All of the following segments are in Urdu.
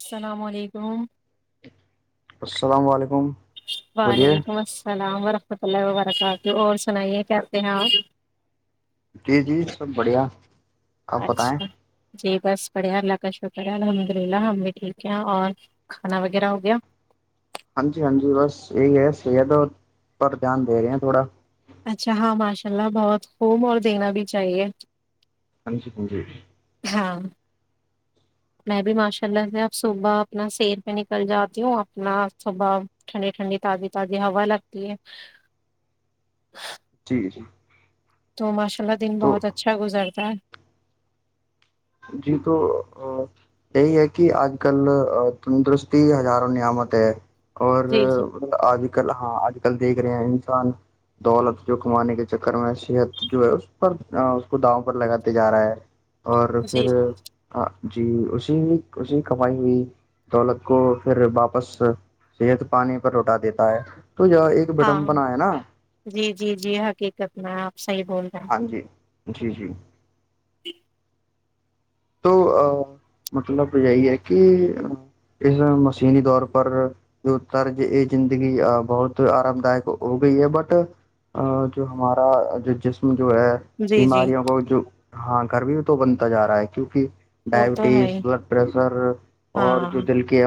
السلام علیکم [unintelligible] السلام علیکم [unintelligible] بولیے وعلیکم السلام [unintelligible] الام وورحمۃ اللہ وبرکات اور سنائیے کہتے ہیں آپ [unintelligible] جی جی سب بڑھیا [unintelligible] بتائیں اچھا جی بس [unintelligible] پڑھ اللہ کا شکر الحمد للہ ہم بھی ٹھیک ہیں اور کھانا وغیرہ ہو گیا [unintelligible] ہاں جی ہاں جی بس یہی ہے صحتوں پر دھیان دے رہے ہیں تھوڑا [unintelligible] اچھا ہاں ماشاء اللہ بہت خب اور دینا بھی چاہیے [unintelligible] ہ چ کنجی [unintelligible] ہاں [unintelligible] میں بھی ماشاء اللہ سے اب صبح اپنا سیر پہ نکل جاتی ہوں اپنا صبح ٹھنڈی ٹھنڈی تازی تازی ہوا لگتی ہے [unintelligible] جا [unintelligible] تو ماش [unintelligible] پلا دن بہت اچھا گزرتا ہے [unintelligible] جی تو یہی ہے کہ آج کل تندرستی ہزاروں نعمت ہے [unintelligible] اور جی جی آج کل ہاں آج [unintelligible] کل دیکھ رہے ہیں انسان دولت جو کمانے کے چکر میں صحت جو ہے اس پر اس کو داؤ پر لگاتے جا رہا ہے اور [unintelligible] پھر جی جی جی اس [unintelligible] ی اسی کمائی ہوئی دولت کو پھر واپس صحت پانی پر لوٹا دیتا ہے [unintelligible] ہاں بٹم بنا ہے نا جی جی جی حقیقت میں آپ صحیح بول رہے ہاں ہیں جی جی جی [inaudible] تو مطلب یہی ہے کہ اس مشینی طور پر جو طرج یہ زندگی بہت آرام دائک ہو گئی ہے بٹ جو ہمارا جو جسم جو ہے جی جی بیماریوں کو جو ہاں گر بھیی بنتا جا رہا ہے [unintelligible] وہ تو ہے ڈائبٹیز ہی بلڈ پریشر اور جو ہاں دل کے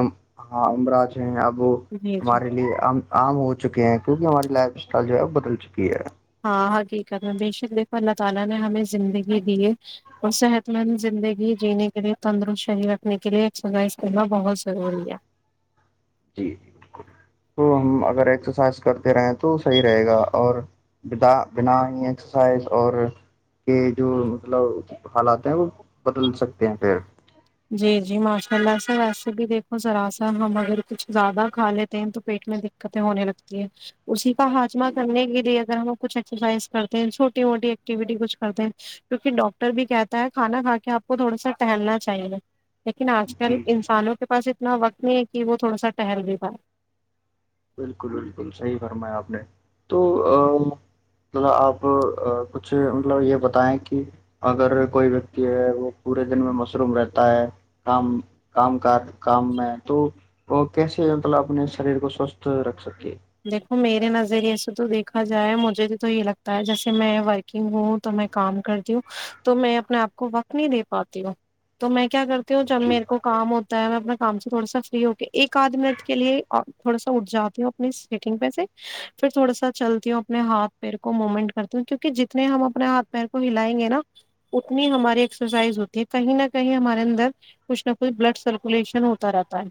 ہاں [unintelligible] وہ جی جی ہمارے لیے ہم عام ہو چکے ہیں کیونکہ ہماری لائف اسٹائل جو ہے وہ بدل چکی ہے ہاں حقیقت مے بے شک اللہ تعالی نے ہمیں زندگی دیے اور صحت مند زندگی جینے کے لیے تندر شہید رکھنے کے لیے اکسزایز اس کو بہت ضروری ہے تو ہم اگر ایکسرسائز کرتے رہیں تو صحیح رہے گا اور بد بنا ہی ایکسرسائز اور کے جو مطلب حالات ہیں وہ بدل سکتے ہیں پھر جی جی ماشاء اللہ سر ویسے بھی دیکھو ذرا سا ہم اگر کچھ زیادہ کھا لیتے ہیں تو پیٹ میں دقتیں ہونے لگتی ہے اسی کا ہاجمہ کرنے کے لیے اگر ہم کچھ ایکسرسائز کرتے ہیں چھوٹی موٹی ایکٹیویٹی کچھ کرتے ہیں کیکہ ڈاکٹر بھی کہتا ہے کھانا کھا کے آ کو تھوڑا سا ٹہلنا چاہیے لیکن آج کل جی انسانوں کے پاس اتنا وقت نہیں ہے کہ وہ تھوڑا سا ٹہل بھی پاائے بالکل بالکل صحیح فرمایا آپ نے تو مطلب آپ کچھ مطلب یہ بتائیں کہ اگر کوئی ویکتی ہے وہ پورے دن میں مشروم رہتا ہے کام کام کام میں تو وہ کیسے مطلب اپنے شریر کو سوست رکھ سکے دیکھو میرے نظریے سے تو دیکھا جائے مجھے تو تو یہ لگتا ہے جیسے میں ورکنگ ہوں تو میں کام کرتی ہوں تو میں اپنے آپ کو وقت نہیں دے پاتی ہوں تو میں کیا کر جب میرے کو کام ہوتا ہو میں اپنے کام سے تھوڑا فری ہو کے ایک آدھ منٹ کے لیے تھوڑا سا اٹھ جاتے ہوں اپنی سٹنگ پہ سے پھر تھوڑا سا چلتی ہوں اپنے ہاتھ پیر کو مومنٹ کرتی ہوں کیوںکہ جتنے ہم اپنے ہاتھ پیر کو ہلائیں گے نا اتنی ہماری ایکسرسائز ہوتی ہے کہیں نہ کہیں ہمارے اندر کچھ نہ کچھ بلڈ سرکولیشن ہوتا رہتا ہے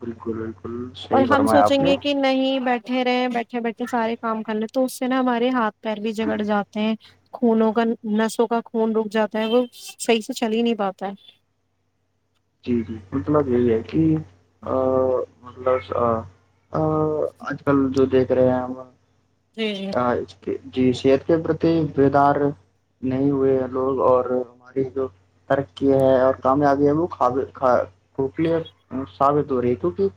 بالکل بالکل صحی فرمایا آپ چیں نے گے کہ نہیں بیٹھے بیٹھے رہے ہیں بیٹھے بیٹھے سارے کام کر لیں تو اس سے نا ہمارے ہاتھ پیر بھی جگڑ جاتے ہیں خونوں کا نسوں کا خون رک جاتا ہے وہ صحیح سے چل ہی نہیں پاتا ہے جی جی مطلب یہ ہے کہ ا مطلب اج کل جو دیکھ [unintelligible] جی جی آ، اس جی صحت کے پرتی بیدار نہیں ہوئے ہیں لوگ اور ہماری جو ترقی ہے اور کامیابی ہے وہ اب کپلی ثابت ہو رہی ہے کیونکہ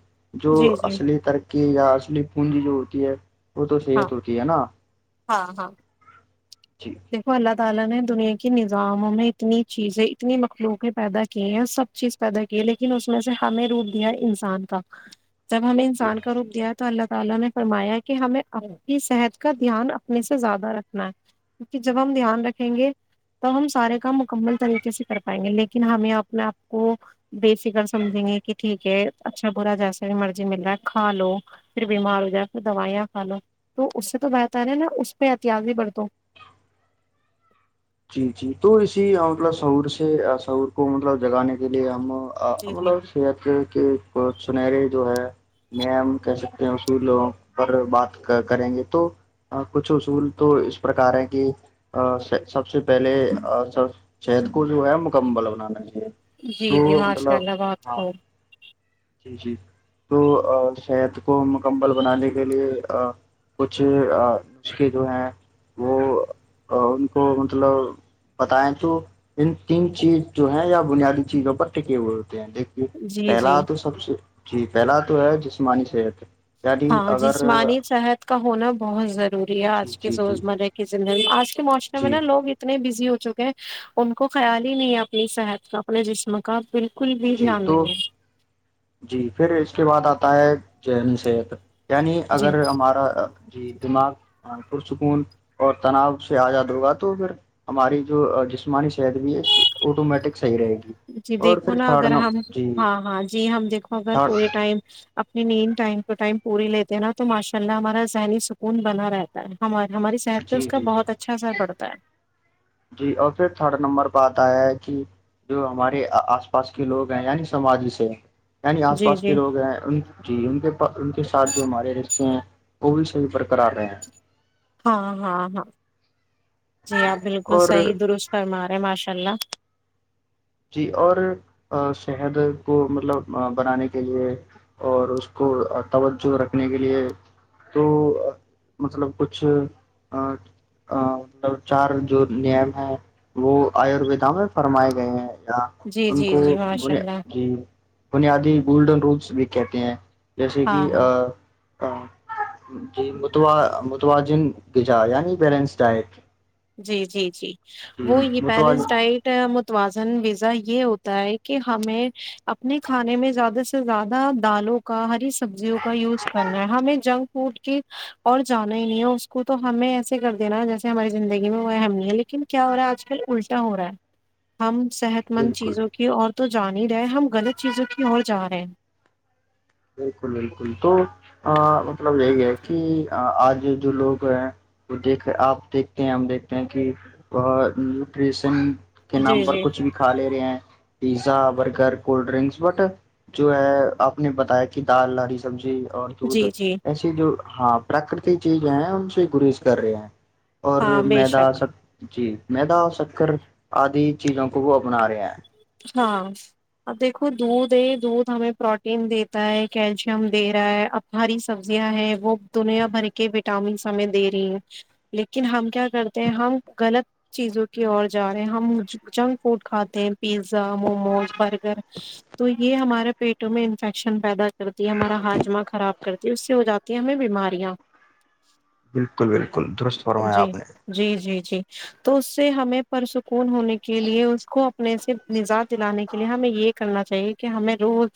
جو جی جی اصلی ترق کہ ار اسلی پونجی جو ہوتی ہے وہ تو ہاں صحت ہوتی ہے نا ہاں ہاں جی [unintelligible] تعالی نے دنیا کے نظاموں میں اتنی چیزیں اتنی مخلوقیں پیدا کی ہیں سب چیز پیدا کی لیکن اس میں سے ہمیں روپ دیا انسان کا جب ہمیں انسان کا روپ دیا تو اللہ تعالی نے فرمایا کہ ہمیں آپ کی صحت کا دھیان اپنے سے زیادہ رکھنا ہے کیونکہ جب ہم دھیان رکھیں گے توب ہم سارے کام مکمل طریقے سے کر پائیں گے لیکن ہمیں اپنے آپ کو بے فکر سمجھیں گے کہ ٹھیک ہے اچھا برا جیسا مرضی مل رہا ہے کھا لو پھر بیمار ہو جائے پھر دوائیاں کھا لو تو اس سے تو بہت رہے نا اس پہ احتیاط بھی برت جی جی تو اسی مطلب سور سے سور کو مطلب جگانے کے لیے ہم آ جی ہم جی سیا کہ کہ سنہرے جو ہے نیم کہہ سکتے ہیں اصول پر بات کریں گے تو کچھ اصول تو اس پرکار ہے کہ سب سے پہلے سب چہت کو جو ہے مکمل بنانا چاہیے جی جی تو ماشاء مطلب اللہ بات ہاں خوں جی جی تو صحت کو مکمل بنانے کے لیے کچھ نسخے جو ہیں وہ ان کو مطلب بتائیں تو ان تین چیز جو ہے یا بنیادی چیزوں پر ٹکے ہوئے ہوتے ہیں دیک جی جی جی پھیلا تو ہے جسمانی صحت یعنی ہاں اگر جسمانی صحت کا ہونا بہت ضروری ہے جی آج کے جی جی روزمرہ کی زندگی [inaudible] معوشم میں جی ناوگ اتنے ب ہو چکے ہیں ان کو خیال ہی نہیں ہے اپنی صحت کا اپنے جسم کا بالکل کل بھی جی دام تو نہیں ہے جی پھر اس کے بعد آتا ہے جین ست یعنی جی اگر ہمارا جی دماغ پرسکون اور تناؤ سے آزاد ہوگا تو پھر ہماری جو جسمانی صحت بھی ہے آٹو مٹک صحی رہے گی جی اور دیکھو پھر نا تھڈ اگر ن ہم جی ہاں تھرڈ [unintelligible] [unintelligible] جی جی [unintelligible] [unintelligible] جی جی [unintelligible] [unintelligible] [unintelligible] اور [unintelligible] [unintelligible] جی جی جی ماشاء اللہ [unintelligible] ہاں [unintelligible] ہاں [inaudible] [unintelligible] جی [unintelligible] متوازن [unintelligible] [unintelligible] [unintelligible] بالکل [unintelligible] [unintelligible] [unintelligible] جی [unintelligible] جی [unintelligible] جی [unintelligible] جی [unintelligible] ہاں [unintelligible] بے شک [unintelligible] [unintelligible] [unintelligible] [unintelligible] [unintelligible] [unintelligible] [unintelligible] جی جی [unintelligible] [unintelligible] [unintelligible] اپنے سے مزات دلانے کے لیے ہمیں یہ کرنا چاہیے کہ ہمیں روز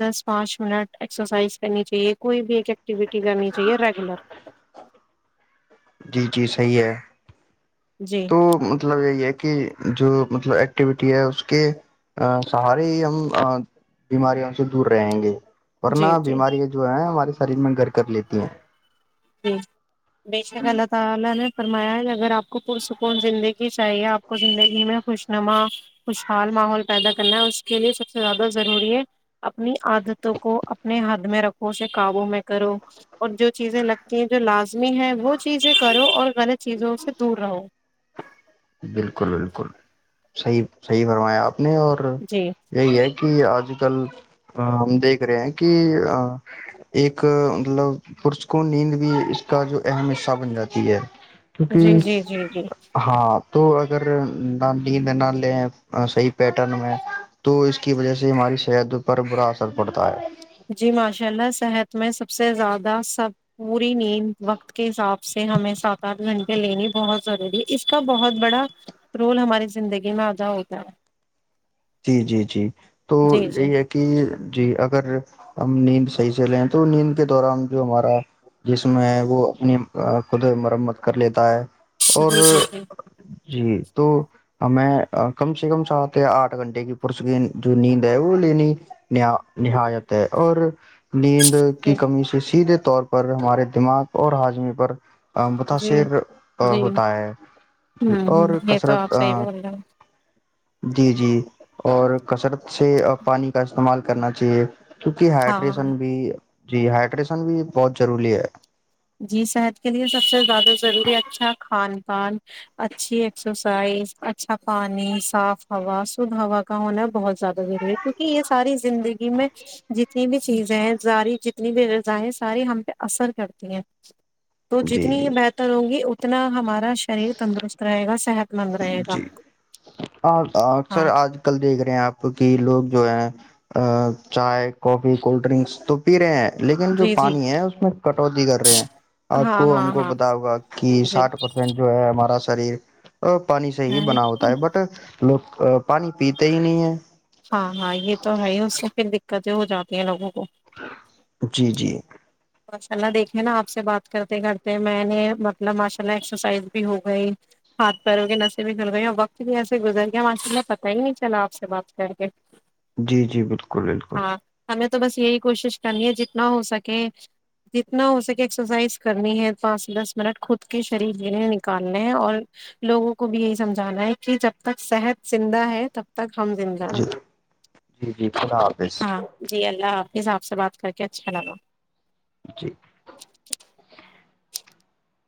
دس پانچ منٹ ایکسرسائز کرنی چاہیے کوئی بھی ایکٹیویٹی کرنی ج ریگولر جی جی صحیح ہے جی تو مطلب یہی ہے کہ جو مطلب ایکٹیویٹی ہے اس کے سہارے ہی ہم بیماریوں سے دور رہیں گے جی ورنہ جی بیمارییاں جو ہے ہماری شریر میں گر کر لیتی ہیں [inaudible] کہ جو لازمی ہے وہ چیزیں کرو اور غلط چیزوں سے دور رہو بالکل بالکل صحیح صحیح فرمایں آپ نہیں اور جی یہی ہے کہ آج کل ہم دیکھ رہے ہیں کہ ایک مطلب پس کو نیند بھی اس کا جو اہم حصہ بن جاتی ہے جی کیونکہ جی جی جی ہاں تو اگر نیند نہ لیں صحیح پیٹرن میں تو اس کی وجہ سے ہماری صحت پر برا اثر پڑتا ہے جی ماشاء اللہ صحت اس میں سب سے زیادہ سب پوری نیند وقت کے حساب سے ہمیں سات آٹھ گھنٹے لینی بہت ضروری ہے اس کا بہت بڑا رول ہماری زندگی میں ادا ہوتا ہے جی جی جی تو جی جی یہی ہے کہ جی اگر ہم نیند صحیح سے لیں تو نیند کے دوران جو ہمارا جسم ہے وہ اپنی خود مرمت کر لیتا ہے جی اور جی جی تو ہمیں کم سے کم سات آٹھ آٹھ گھنٹے کی پس کی جو نیند ہے وہ لینی نہایت ہے اور نیند کی جی کمی سے سیدھے طور پر ہمارے دماغ اور ہاجمی پر جی متاثر جی جی ہوتا ہے ہوں اور یہ تو آپ کثرت صحیح بول رہے ہو جی جی اور کثرت سے پانی کا استعمال کرنا چاہیے کیونکہ ہاں ہائڈریشن بھی جی ہائڈریشن بھی بہت ضروری ہے جی صحت کے لیے سب سے زیادہ ضروری اچھا کھان ال اچھی ایکسرسائز اچھا پانی صاف ہوا سدھ ہوا کا ہونا بہت زیادہ ضروری ہے کیوںکہ یہ ساری زندگی میں جتنی بھی چیزیں ہیں ساری جتنی بھی غذایں ساری ہم پہ اثر کرتی ہیں س تو جی جتنی ہی جی بہتر ہوں گی ا اتنا ہمارا شریر تندرست رہے گا صحت مند رہے گا جی اکثر ہاں آج کل دیکھ رہے ہیں آپ کہ لوگ جو ہیں ا چائے کافی کولڈ ڈرنکس تو پی رہے ہیں لیکن جو جی جی پانی ہے اس میں کٹوتی کر رہے ہیں آپ ہاں کو ہاں ہم کو ہاں بتا ہوگا کہ ساٹھ پرسینٹ جو ہے ہمارا [unintelligible] پانی سے ہی بنا ہوتا جی ہے بٹ لوگ ا پانی پیتے ہی نہیں ہے ہاں ہاں یہ تو ہے ہی اس پھر د تیں ہو جاتی ہیںوگوں کو جی جی ماشاء اللہ دیکھے نا آپ سے بات کرتے کرتے میں نے مطلب ماشاء اللہ ایکسرسائز بھی ہو گئی ہاتھ پیروں کے نشے بھی گر گئی اور وقت بھی ایسے گزر گیا ماشاء اللہ پتا ہی نہیں چلا آپ سے بات کر کے جی جی بالکل بالکل ہاں ہمیں تو بس یہی کوشش کرنی ہے جتنا ہو سکے جتنا ہو سکے ایکسرسائز کرنی ہے پانچ سے دس منٹ خود کے شریر لینے نکالنے ہے اور لوگوں کو بھی یہی سمجھانا ہے کہ جب تک صحت زندہ ہے تب کم زندہ جی جی جی خدا حافظ ہاں جی اللہ حافظ حساب سے بات کر کے اچھا لگا [unintelligible]